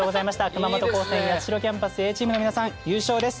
熊本高専八代キャンパスＡチームの皆さん優勝です！